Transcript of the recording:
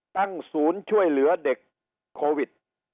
ตั้งศูนย์ช่วยเหลือเด็กโควิด